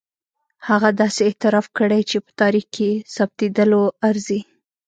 هغه داسې اعتراف کړی چې په تاریخ کې ثبتېدلو ارزي.